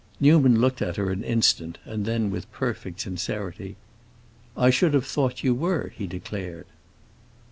Newman looked at her an instant, and then, with perfect sincerity, "I should have thought you were," he declared.